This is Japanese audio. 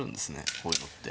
こういうのって。